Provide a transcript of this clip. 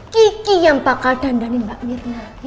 kiki yang bakal dandani mbak mirna